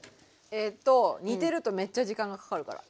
えっと煮てるとめっちゃ時間がかかるから。